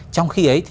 trong khi ấy